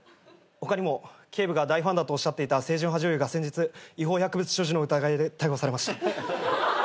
他にも警部が大ファンだとおっしゃっていた清純派女優が先日違法薬物所持の疑いで逮捕されました。